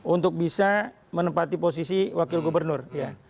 untuk bisa menempati posisi wakil gubernur ya